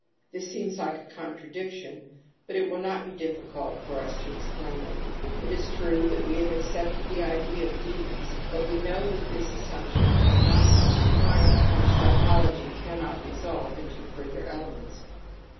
This seems like a contradiction, but it will not be difficult for us to explain it. It is true that we have accepted the idea of demons, but we know that this assump tion is not something final which psychology can not resolve into further elements.